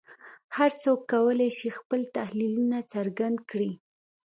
هر څوک وکولای شي خپل تحلیلونه څرګند کړي